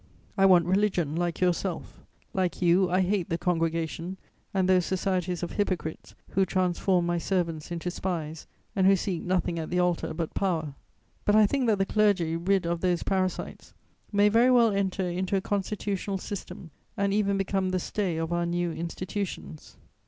"I want religion, like yourself; like you, I hate the Congregation and those societies of hypocrites who transform my servants into spies and who seek nothing at the altar but power. But I think that the clergy, rid of those parasites, may very well enter into a constitutional system and even become the stay of our new institutions.